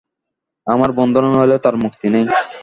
আমার বন্ধন নইলে তাঁর মুক্তি নেই।